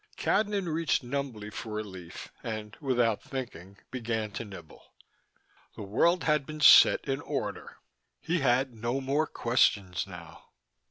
Cadnan reached numbly for a leaf and, without thinking, began to nibble. The world had been set in order: he had no more questions now.